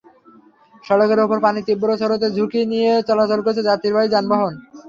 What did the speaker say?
সড়কের ওপর পানির তীব্র স্রোতে ঝুঁকি নিয়ে চলাচল করছে যাত্রীবাহী যানবাহন।